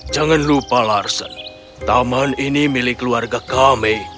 jangan lupa larsen taman ini milik keluarga kami